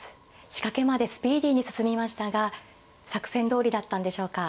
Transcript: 仕掛けまでスピーディーに進みましたが作戦どおりだったんでしょうか。